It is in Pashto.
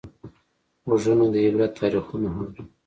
غوږونه د عبرت تاریخونه اوري